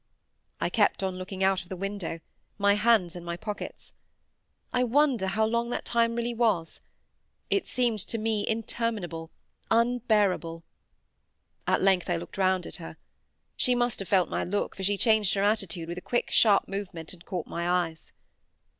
I kept on looking out of the window, my hands in my pockets. I wonder how long that time really was? It seemed to me interminable—unbearable. At length I looked round at her. She must have felt my look, for she changed her attitude with a quick sharp movement, and caught my eyes.